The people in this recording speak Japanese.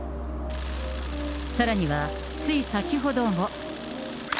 さらには、つい先ほども。